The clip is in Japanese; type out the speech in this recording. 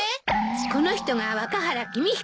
この人が若原君彦。